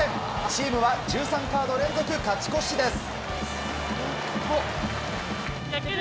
チームは１３カード連続勝ち越しです。